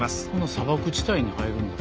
砂漠地帯に生えるんだ。